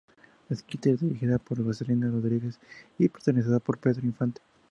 Escrita y dirigida por Joselito Rodríguez y protagonizada por Pedro Infante.